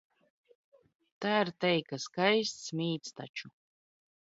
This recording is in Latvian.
Tā ir teika, skaists mīts taču.